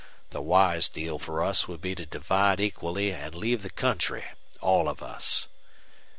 The wise deal for us would be to divide equally and leave the country, all of us."